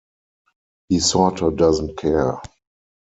He sorta doesn't care.